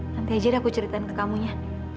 nanti aja deh aku ceritain ke kamu ya